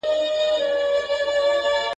بریالیو ته پرېماني خزانې وې !.